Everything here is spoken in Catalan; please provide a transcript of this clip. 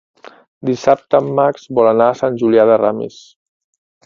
Dissabte en Max vol anar a Sant Julià de Ramis.